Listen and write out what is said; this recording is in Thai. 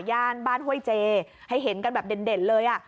ย่านบ้านห้วยเจให้เห็นกันแบบเด่นเลย